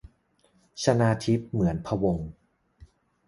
ชนาธิป เหมือนพะวงศ์